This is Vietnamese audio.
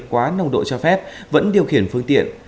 quá nồng độ cho phép vẫn điều khiển phương tiện